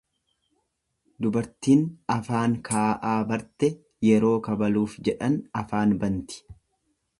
Dubartin afaan kaa'aa barte yeroo kabaluuf jedhan afaan banti.